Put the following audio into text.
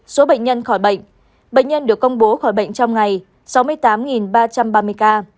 số bệnh nhân khỏi bệnh bệnh nhân được công bố khỏi bệnh trong ngày sáu mươi tám ba trăm ba mươi ca